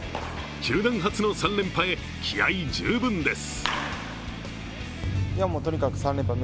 球団初の３連覇へ気合い十分です。